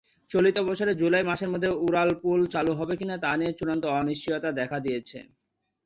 চলতি বছরের জুলাই মাসের মধ্যে উড়ালপুল চালু হবে কিনা তা নিয়ে চূড়ান্ত অনিশ্চয়তা দেখা দিয়েছে।